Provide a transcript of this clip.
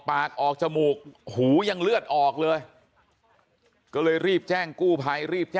ปากออกจมูกหูยังเลือดออกเลยก็เลยรีบแจ้งกู้ภัยรีบแจ้ง